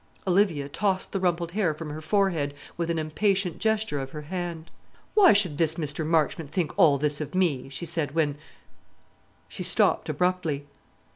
Olivia tossed the rumpled hair from her forehead with an impatient gesture of her hand. "Why should this Mr. Marchmont think all this of me?" she said, "when " she stopped abruptly.